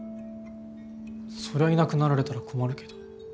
そりゃいなくなられたら困るけど。